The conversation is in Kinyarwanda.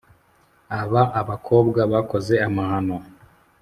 aba abakobwa bakoze amahano